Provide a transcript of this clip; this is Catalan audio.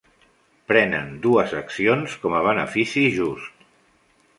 Preneu dues accions com a benefici just.